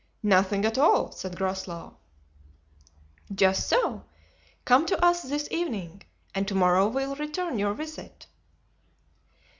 "Nothing at all," said Groslow. "Just so. Come to us this evening and to morrow we'll return your visit."